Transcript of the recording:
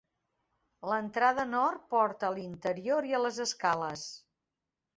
L'entrada nord porta a l'interior i a les escales.